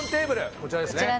こちらですねあっ